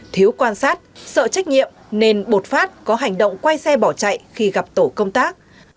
thiếu quan sát sợ trách nhiệm nên bột phát có hành động quay xe bỏ chạy khi gặp tổ công tác